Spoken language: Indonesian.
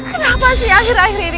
kenapa sih akhir akhir ini